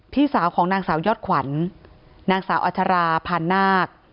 พี่สาวของนางสาวยอดขวัญนางสาวอัชราพานนาค